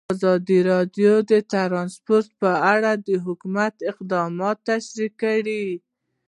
ازادي راډیو د ترانسپورټ په اړه د حکومت اقدامات تشریح کړي.